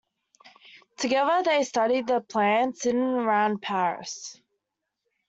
Together they studied the plants in and around Paris.